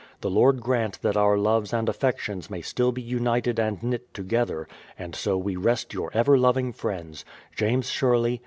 The Lord grant that our loves and affec tions may still be united and knit together; and so Ave rest your ever loving friends, JAMES SHERLEY.